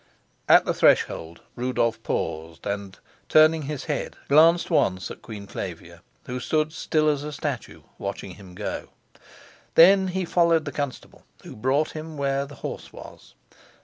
At the threshold Rudolf paused, and, turning his head, glanced once at Queen Flavia, who stood still as a statue, watching him go. Then he followed the constable, who brought him where the horse was.